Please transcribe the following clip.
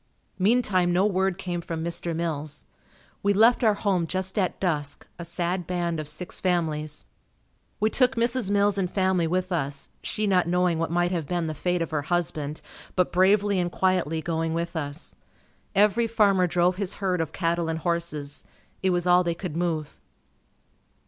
Meantime no word came from Mr. Mills. We left our home just at dusk, a sad band of six families. We took Mrs. Mills and family with us, she not knowing what might have been the fate of her husband, but bravely and quietly going with us. Every farmer drove his herd of cattle and horses. It was all they could move.